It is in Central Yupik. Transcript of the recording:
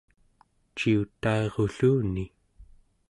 ciutairulluni